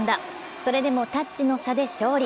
それでもタッチの差で勝利。